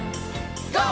ＧＯ！